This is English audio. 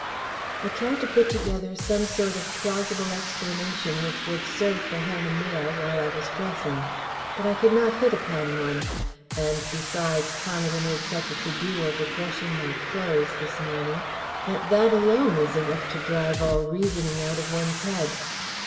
I tried to put together some sort of plausible explanation which would serve for Helen Mayle while I was dressing. But I could not hit upon one, and besides Parmiter made such a to do over brushing my clothes this morning that that alone was enough to drive all reasoning out of one's head.